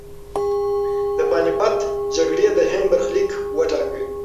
د پاني پت جګړې د هند برخلیک وټاکه.